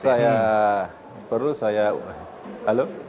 jadi perlu saya halo